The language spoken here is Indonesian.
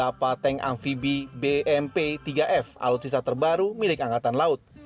alutsisa terbaru milik angkatan laut